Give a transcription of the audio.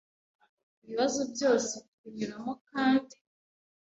Ibibazo byose tubinyuramo kandi